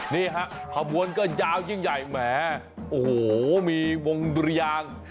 นี่ฮะขบวนก็ยาวยิ่งใหญ่แหมโอ้โหมีวงดุรยาง